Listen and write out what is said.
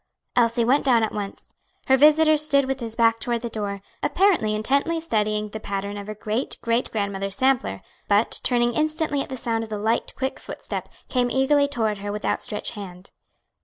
Elsie went down at once. Her visitor stood with his back toward the door, apparently intently studying the pattern of her great great grandmother's sampler, but turning instantly at the sound of the light, quick footstep, came eagerly toward her with outstretched hand.